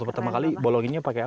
pertama kali bolonginnya pakai apa